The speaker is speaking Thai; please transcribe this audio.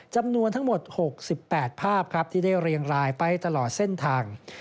จำนวนทั้งหมด๖๘ภาพครับที่ได้เรียงรายไปตลอดเส้นทาง